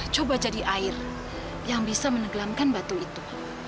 coba jadi air yang bisa menegangkan batu itu